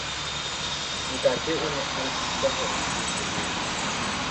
Ntate o ne a nthuta hore ke be sebete.